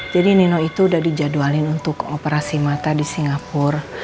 jadi nino itu udah dijadwalin untuk operasi mata di singapura